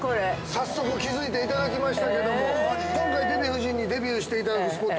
◆早速、気づいていただきましたけれども、今回、デヴィ夫人にデビューしていただくスポット